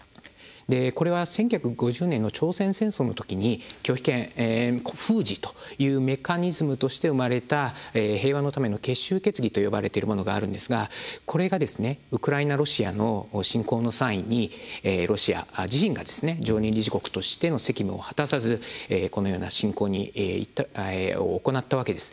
これは、１９５０年の朝鮮戦争の時に拒否権封じというメカニズムとして生まれた平和のための結集決議と呼ばれているものがあるんですがこれが、ウクライナ、ロシアの侵攻の際にロシア自身が常任理事国としての責務を果たさずこのような侵攻を行ったわけです。